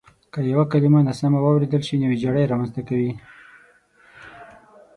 که یوه کلیمه ناسمه واورېدل شي نو وېجاړی رامنځته کوي.